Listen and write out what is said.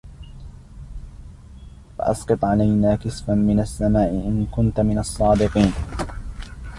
فأسقط علينا كسفا من السماء إن كنت من الصادقين